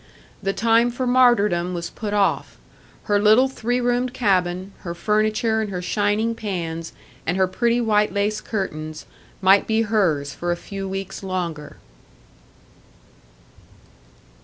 The time for martyrdom was put off; her little three roomed cabin, her furniture and her shining pans and her pretty white lace curtains, might be hers for a few weeks longer!